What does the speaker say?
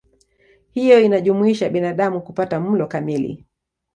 Hiyo inajumuisha binadamu kupata mlo kamili